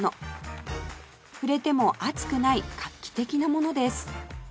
触れても熱くない画期的なものです